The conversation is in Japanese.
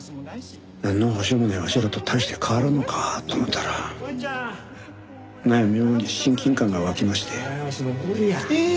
なんの保証もないわしらと大して変わらんのかと思たらなんや妙に親近感が湧きまして。